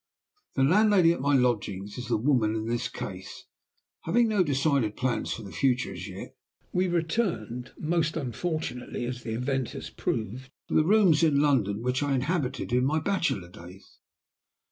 The landlady at my lodgings is the woman, in this case. Having no decided plans for the future as yet, we returned (most unfortunately, as the event has proved) to the rooms in London which I inhabited in my bachelor days.